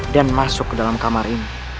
masuk ke dalam kamar ini